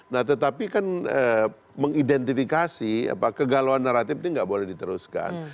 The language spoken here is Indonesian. nah tetapi kan mengidentifikasi kegalauan naratif ini nggak boleh diteruskan